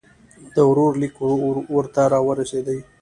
د ورور لیک ورته را ورسېدی.